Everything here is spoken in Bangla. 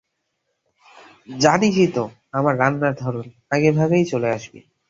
জানিসই তো আমার রান্নার ধরন, - আগেভাগে চলে আসবি।